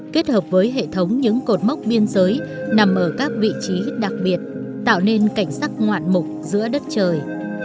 kết hợp với hệ thống những cột mốc biên giới nằm ở các vị trí đặc biệt tạo nên cảnh sắc ngoạn mục giữa đất trời